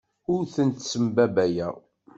Ur ten-ssembabbayeɣ.